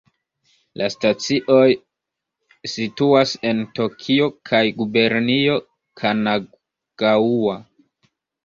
La stacioj situas en Tokio kaj Gubernio Kanagaŭa.